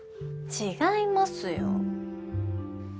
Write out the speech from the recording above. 違いますよ。